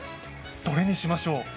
どれにしましょう？